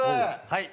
はい。